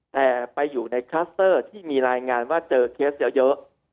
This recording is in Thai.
แต่ไปอยู่ในคลัสเตอร์ที่มีรายงานว่าเจอเคสเยอะ